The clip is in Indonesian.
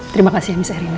terima kasih ya miss erina